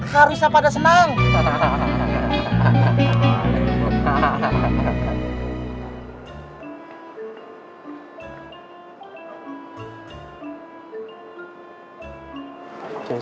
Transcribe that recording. harusnya pada senang